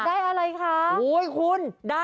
ได้อะไรคะ